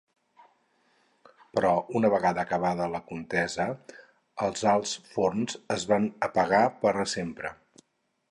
Però una vegada acabada la contesa els alts forns es van apagar per a sempre.